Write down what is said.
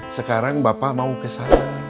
sekarang bapak mau kesana